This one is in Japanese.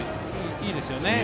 いいですよね。